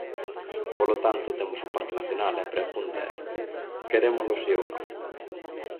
Polo tanto, temos un parque nacional, e a pregunta é: ¿querémolo si ou non?